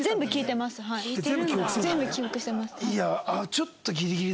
ちょっとギリギリ。